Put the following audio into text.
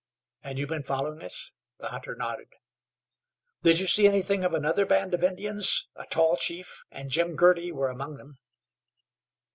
"And you've been following us?" The hunter nodded. "Did you see anything of another band of Indians? A tall chief and Jim Girty were among them."